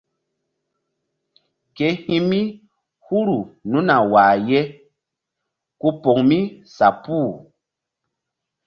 Ke hi̧ mi huru nunu a wah ye ku poŋ mi sa puh.